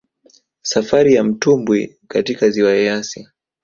Safari za mtubwi katika Ziwa Eyasi